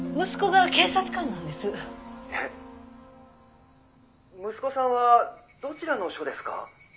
「えっ」「息子さんはどちらの署ですか？」